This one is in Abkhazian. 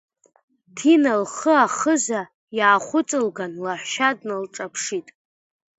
Ҭина лхы ахыза иаахәыҵылган, лаҳәшьа дналҿаԥшит.